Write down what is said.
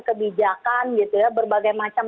kebijakan gitu ya berbagai macam